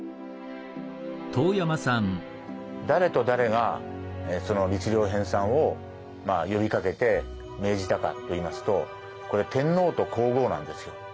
誰と誰がその律令編さんを呼びかけて命じたかと言いますとこれ天皇と皇后なんですよ。